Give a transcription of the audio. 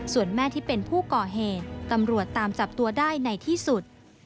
ส่วนแม่ที่เป็นผู้ก่อเหตุตำรวจตามจับตัวได้ในที่สุด